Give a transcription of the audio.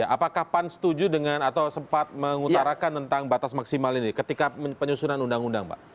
apakah pan setuju dengan atau sempat mengutarakan tentang batas maksimal ini ketika penyusunan undang undang pak